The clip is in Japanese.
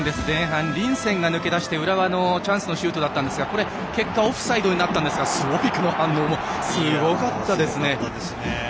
リンセンが抜け出して浦和のチャンスのシュートだったんですがこれ結果オフサイドになったんですがスウォビィクの反応もすごかったですね。